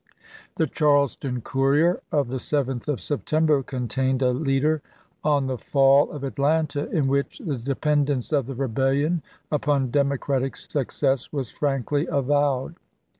The " Charleston law; Courier" of the 7th of September contained a leader on the fall of Atlanta in which the depen , dence of the rebellion upon Democratic success was frankly avowed.